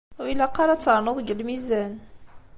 Ur ilaq ara ad ternuḍ deg lmizan.